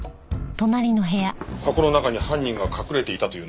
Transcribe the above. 箱の中に犯人が隠れていたというのか？